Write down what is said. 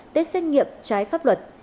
test xét nghiệm trái pháp luật